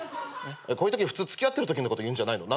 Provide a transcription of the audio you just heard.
こういうとき普通付き合ってるときのこと言うんじゃないの？